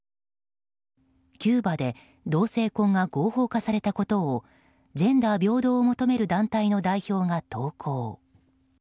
キューバで同性婚が合法化されたことをジェンダー平等を求める団体の代表が投稿。